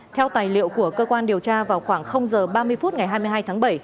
theo tài liệu của cơ quan điều tra vào khoảng h ba mươi phút ngày hai mươi hai tháng bảy